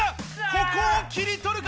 ここを切り取るか？